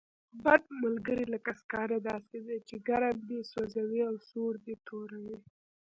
بد ملګری لکه سکاره داسې دی، چې ګرم دې سوځوي او سوړ دې توروي.